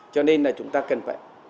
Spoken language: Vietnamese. cho nên là chúng ta cần phải